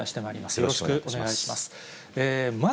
よろしくお願いします。